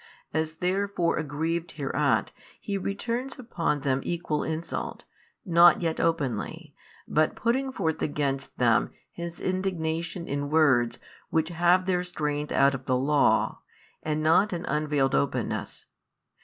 As therefore aggrieved hereat, he returns upon them equal insult, not yet openly, but putting forth against them his indignation in words which have their strength out of the Law, and not in unveiled openness.